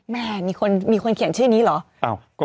แม่มีคนเขียนชื่อนี้เหรอ